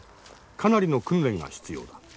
かなりの訓練が必要だ。